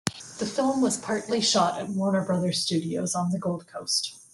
The film was partly shot at Warner Brothers studios on the Gold Coast.